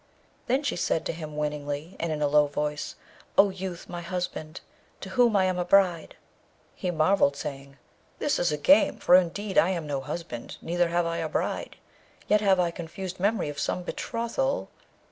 Then she said to him winningly, and in a low voice, 'O youth, my husband, to whom I am a bride!' He marvelled, saying, 'This is a game, for indeed I am no husband, neither have I a bride ... yet have I confused memory of some betrothal